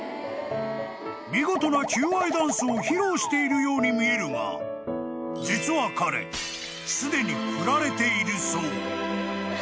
［見事な求愛ダンスを披露しているように見えるが実は彼すでに振られているそう］